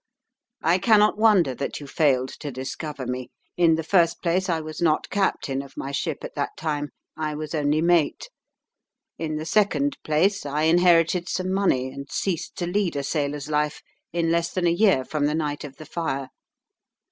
I cannot wonder that you failed to discover me. In the first place, I was not captain of my ship at that time; I was only mate. In the second place, I inherited some money, and ceased to lead a sailor's life, in less than a year from the night of the fire.